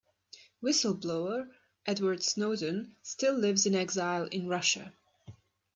Whistle-blower Edward Snowden still lives in exile in Russia.